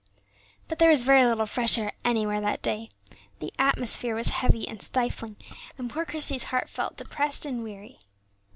But there was very little fresh air anywhere that day. The atmosphere was heavy and stifling, and poor Christie's heart felt depressed and weary.